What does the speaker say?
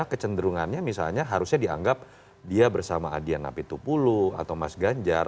kecenderungannya misalnya harusnya dianggap dia bersama adian apitupulu atau mas ganjar